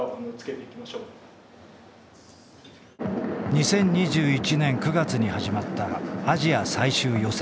２０２１年９月に始まったアジア最終予選。